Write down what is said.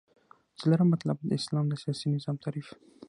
څلورم مطلب : د اسلام د سیاسی نظام تعریف